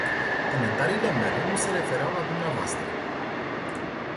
Comentariile mele nu se refereau la dvs.